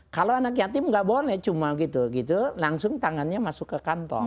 kalau anak yatim nggak boleh cuma gitu gitu langsung tangannya masuk ke kantong